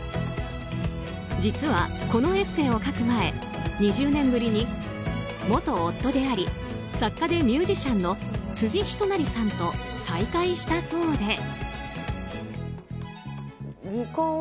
実は、このエッセーを書く前２０年ぶりに、元夫であり作家でミュージシャンの辻仁成さんと再会したそうで。